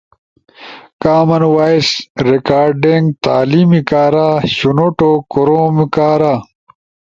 کامن وائس ریکارڈنگ تعلیم کارا، شنوٹو کوروم کارا،